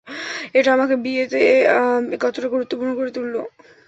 এটা আমাকে বিয়েতে কতটা গুরুত্বপূর্ণ করে তুললো।